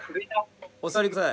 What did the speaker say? お座り下さい。